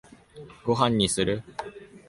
ご飯にする？